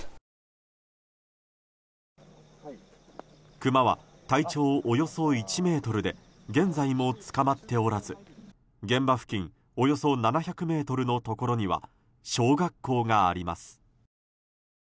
クマは体長およそ１ｍで現在も捕まっておらず現場付近およそ７００ｍのところには小学校があります。